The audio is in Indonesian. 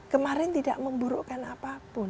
kemarin tidak memburukkan apapun